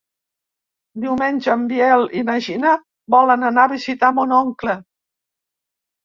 Diumenge en Biel i na Gina volen anar a visitar mon oncle.